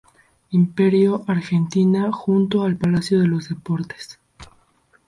Imperio Argentina, junto al Palacio de los Deportes.